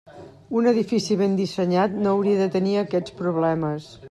Un edifici ben dissenyat no hauria de tenir aquests problemes.